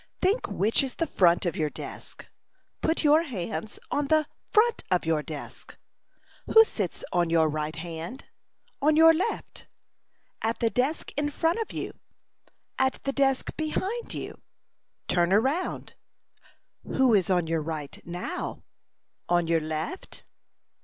Think which is the front of your desk. Put your hands on the front of your desk. Who sits on your right hand? On your left? At the desk in front of you? At the desk behind you? Turn round. Who is on your right now? On your left?